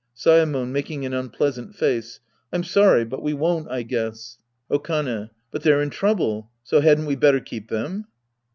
Saemon {making an unpleasant face). I'm sorry, but we won't, I guess. Okane, But they're in trouble, so hadn't we better keep them